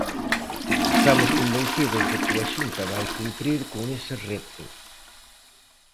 Estamos convencidos de que a Xunta vai cumprir con ese reto.